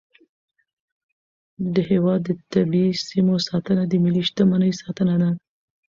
د هیواد د طبیعي سیمو ساتنه د ملي شتمنۍ ساتنه ده.